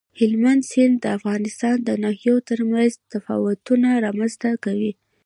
هلمند سیند د افغانستان د ناحیو ترمنځ تفاوتونه رامنځ ته کوي.